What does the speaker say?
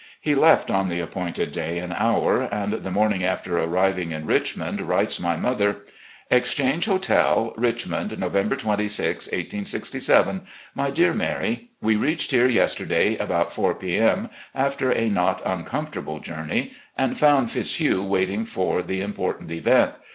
He left on the appointed day and hour, and the morning after arriving in Richmond, writes my mother: " Exchange Hotel, Richmond, November 26, 1867. *'My Dear Mary: We reached here yesterday about 4 p. M., after a not uncomfortable journey, and foimd Fitzhugh waiting for the important event.